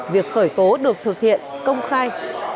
việc khởi tố được thực hiện công khai